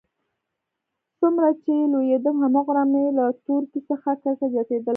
څومره چې لوېيدم هماغومره مې له تورکي څخه کرکه زياتېدله.